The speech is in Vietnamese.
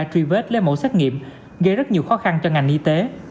truy vết lấy mẫu xét nghiệm gây rất nhiều khó khăn cho ngành y tế